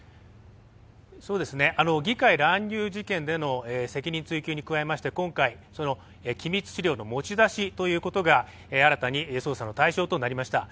議会乱入事件での責任追及に加えまして今回、機密資料の持ち出しということが新たに捜査の対象となりました。